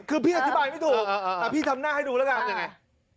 คือพี่อธิบายไม่ถูกเออเออเออพี่ทำหน้าให้ดูแล้วกันเออนี่